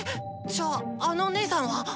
じゃああの姐さんは！